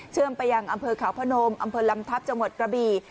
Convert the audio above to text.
ไปยังอำเภอขาวพนมอำเภอลำทัพจังหวัดกระบี่